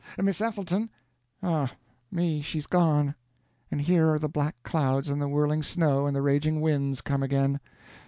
Miss Ethelton!... Ah, me, she's gone, and here are the black clouds and the whirling snow and the raging winds come again!